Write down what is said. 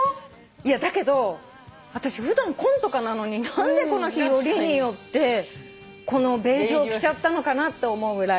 いやだけど私普段紺とかなのに何でこの日よりによってこのベージュを着ちゃったのかなって思うぐらい。